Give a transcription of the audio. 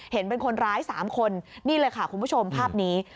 เห็นเป็นคนร้าย๓คนนี่เลยค่ะคุณผู้ชมภาพนี้